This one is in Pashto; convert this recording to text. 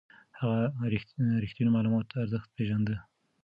هغه د رښتينو معلوماتو ارزښت پېژانده.